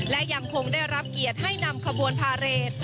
และยังคงได้รับเกียรติให้นำขบวนพาเรท